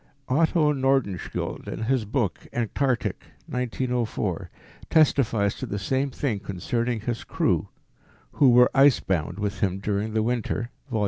Otto Nordenskjold, in his book Antarctic (1904), testifies to the same thing concerning his crew, who were ice bound with him during the winter (Vol.